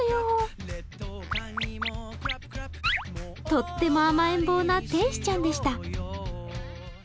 とっても甘えん坊な天使ちゃんでした。